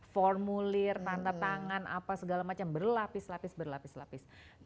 formulir tanda tangan apa segala macam berlapis lapis